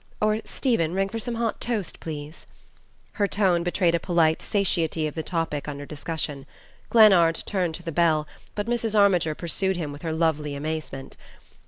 Or, Stephen, ring for some hot toast, please." Her tone betrayed a polite satiety of the topic under discussion. Glennard turned to the bell, but Mrs. Armiger pursued him with her lovely amazement.